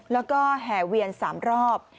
แล้วก็แห่เวียน๓รอบ